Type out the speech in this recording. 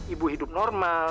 ibu hidup normal